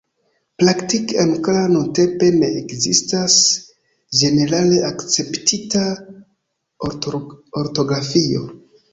Praktike ankoraŭ nuntempe ne ekzistas ĝenerale akceptita ortografio.